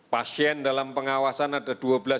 pasien dalam pengawasan ada dua belas enam ratus sepuluh